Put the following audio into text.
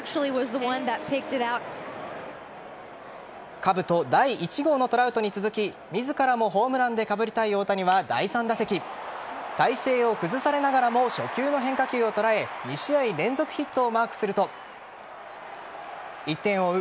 かぶと第１号のトラウトに続き自らもホームランでかぶりたい大谷は第３打席体勢を崩されながらも初球の変化球を捉え２試合連続ヒットをマークすると１点を追う